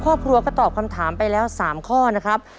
ครอบครัวก็ตอบคำถามไปแล้ว๓ข้อนะครับ